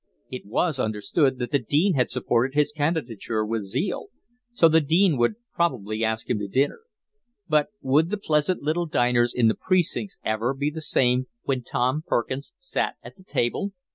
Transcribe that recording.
It was understood that the Dean had supported his candidature with zeal, so the Dean would probably ask him to dinner; but would the pleasant little dinners in the precincts ever be the same when Tom Perkins sat at the table?